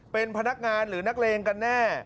เป็นพนักงานหรือนักเลงกันแน่